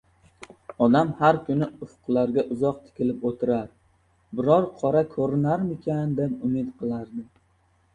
Odam har kuni ufqlarga uzoq tikilib oʻtirar, biror qora koʻrinarmikan deb umid qilardi.